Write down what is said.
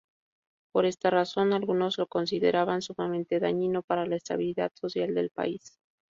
Por esta razón, algunos lo consideraban sumamente dañino para la estabilidad social del país.